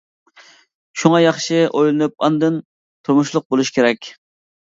شۇڭا ياخشى. ئويلىنىپ ئاندىن تۇرمۇشلۇق بولۇش كېرەك.